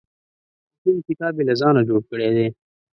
او ټول کتاب یې له ځانه جوړ کړی دی.